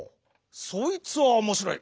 そいつはおもしろい。